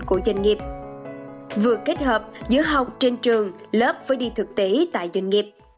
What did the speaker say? các doanh nghiệp vừa kết hợp giữa học trên trường lớp với đi thực tế tại doanh nghiệp